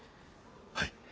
はい。